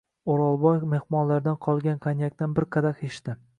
O’rolboy mehmonlardan qolgan konyakdan bir qadah ichdi.